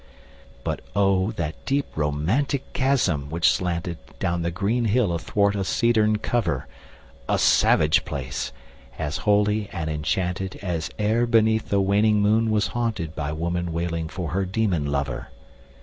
But O, that deep romantic chasm which slanted Down the green hill athwart a cedarn cover! A savage place! as holy and enchanted As e'er beneath a waning moon was haunted 15 By woman wailing for her demon lover!